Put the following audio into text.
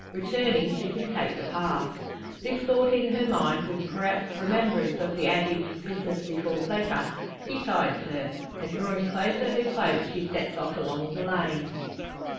Returning she can take the path. This thought in her mind, with, perhaps, remembrance of the adage, `business before pleasure,' decides her; and drawing closer her cloak, she sets off along the lane.